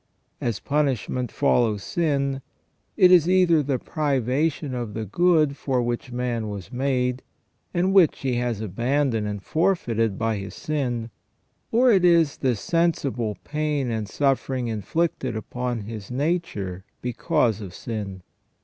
As punishment follows sin, it is either the privation of the good for which man was made, and which he has abandoned and forfeited by his sin, or it is the sensible pain and suffering inflicted upon his nature because of sin.